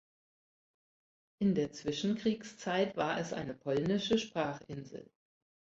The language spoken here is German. In der Zwischenkriegszeit war es eine polnische Sprachinsel.